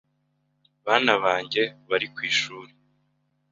Bana banjye bari ku ishuri.